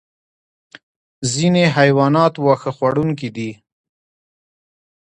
ځینې حیوانات واښه خوړونکي دي